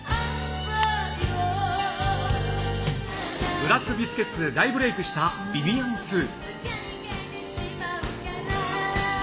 ブラックビスケッツで大ブレークしたビビアン・スー。